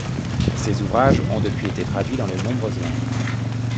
Ses ouvrages ont depuis été traduits dans de nombreuses langues.